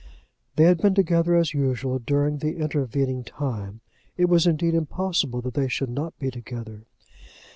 They had been together as usual during the intervening time. It was, indeed, impossible that they should not be together.